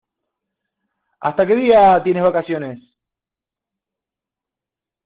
¿Hasta qué día tienes vacaciones?